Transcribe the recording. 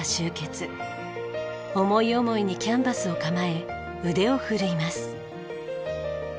思い思いにキャンバスを構え腕を振るいます。